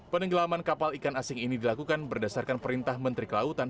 penenggelaman kapal ikan asing ini dilakukan berdasarkan perintah menteri kelautan